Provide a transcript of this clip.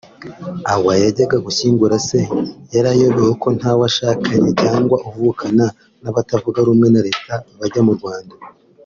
awaaa yajyaga gushyingura se yarayobewe ko ntawashakanye cyangwa uvukana n’abatavugana rumwe na Leta bajya mu Rwanda”